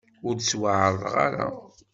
Ur d-ttwaɛerḍeɣ ara.